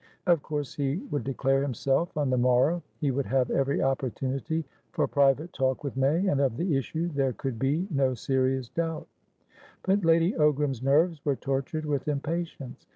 Of course he would declare himself on the morrow; he would have every opportunity for private talk with May, and of the issue there could be no serious doubt. But Lady Ogram's nerves were tortured with impatience.